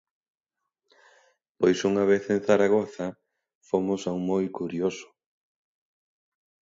Pois unha vez en Zaragoza fomos a un moi curioso.